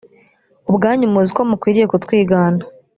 ubwanyu muzi uko mukwiriye kutwigana